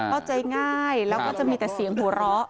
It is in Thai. เข้าใจง่ายแล้วก็จะมีแต่เสียงหัวเราะ